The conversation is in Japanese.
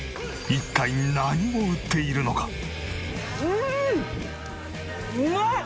一体何を売っているのか！？